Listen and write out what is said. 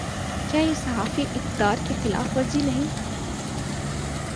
کیا یہ صحافی اقدار کی خلاف ورزی نہیں۔